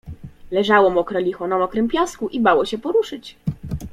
Leżało mokre licho na mokrym piasku i bało się poruszyć.